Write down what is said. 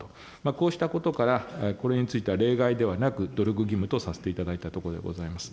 こうしたことから、これについては例外ではなく、努力義務とさせていただいたところでございます。